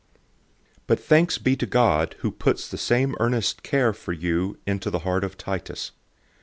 "{Exodus 16:8} 008:016 But thanks be to God, who puts the same earnest care for you into the heart of Titus.